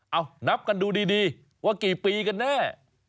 เอานับกันดูดีว่ากี่ปีกันแน่